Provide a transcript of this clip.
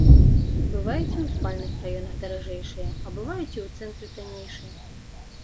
Бываюць і ў спальных раёнах даражэйшыя, а бываюць і ў цэнтры таннейшыя.